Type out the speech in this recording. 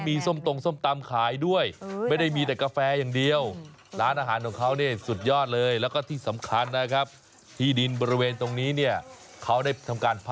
บางคนบอกว่าจิบกาแฟอย่างเดียวไม่พอต้องกินแบบว่า